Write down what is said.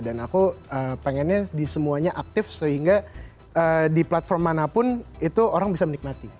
dan aku pengennya di semuanya aktif sehingga di platform manapun itu orang bisa menikmati